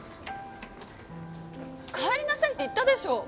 帰りなさいって言ったでしょ。